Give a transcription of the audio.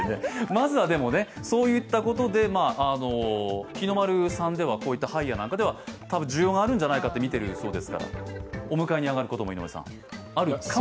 まずはそういったことで日の丸さんでは、こういったハイヤーで多分需要があるんじゃないかって見ているそうですから、お迎えに上がることもあるかも。